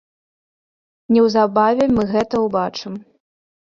Неўзабаве мы гэта убачым.